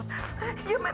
kemana perginya si milo